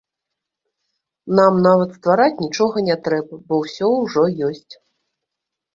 Нам нават ствараць нічога не трэба, бо ўсё ўжо ёсць!